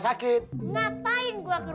saya ingin mengucapkan